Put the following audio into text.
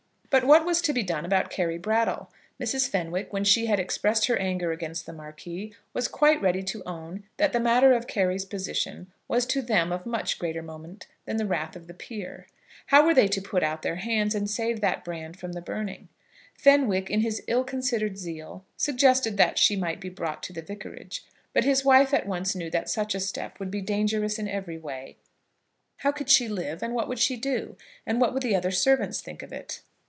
But what was to be done about Carry Brattle? Mrs. Fenwick, when she had expressed her anger against the Marquis, was quite ready to own that the matter of Carry's position was to them of much greater moment than the wrath of the peer. How were they to put out their hands and save that brand from the burning? Fenwick, in his ill considered zeal, suggested that she might be brought to the Vicarage; but his wife at once knew that such a step would be dangerous in every way. How could she live, and what would she do? And what would the other servants think of it?